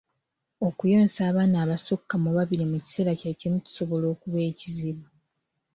Okuyonsa abaana abasukka mu babiri mu kiseera kye kimu kisobola okuba ekizibu.